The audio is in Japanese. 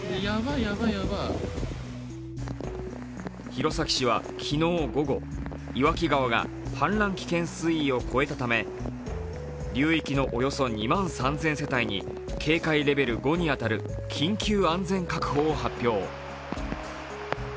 弘前市は昨日午後岩木川が氾濫危険水位を超えたため流域のおよそ２万３０００世帯に警戒レベル５に当たる緊急安全確保を発表。